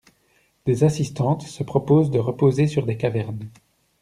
Des assistantes se proposent de reposer sur des cavernes!